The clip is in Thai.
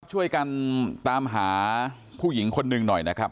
ช่วยกันตามหาผู้หญิงคนหนึ่งหน่อยนะครับ